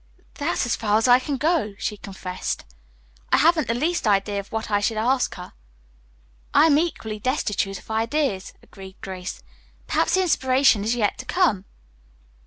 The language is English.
"That's as far as I can go," she confessed. "I haven't the least idea of what I should ask her." "I am equally destitute of ideas," agreed Grace. "Perhaps the inspiration is yet to come."